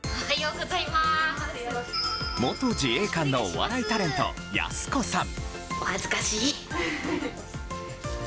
元自衛官のお笑いタレントやす子さん。